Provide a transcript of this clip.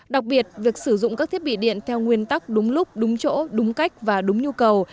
đặc biệt việc sử dụng các thiết bị điện theo nguyên tắc đúng lúc đúng chỗ đúng cách và đúng nhu cầu